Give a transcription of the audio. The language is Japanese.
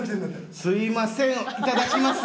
すみませんいただきます。